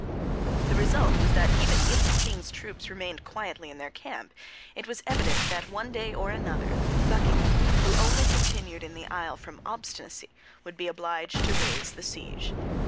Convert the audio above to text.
The result was that even if the king's troops remained quietly in their camp, it was evident that some day or other, Buckingham, who only continued in the Isle from obstinacy, would be obliged to raise the siege.